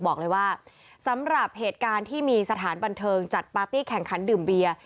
บอกเลยว่าสำหรับเหตุการณ์ที่มีสถานบันเทิงจัดปาร์ตี้แข่งขันดื่มเบียร์